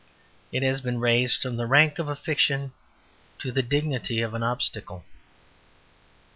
It has been raised from the rank of a fiction to the dignity of an obstacle.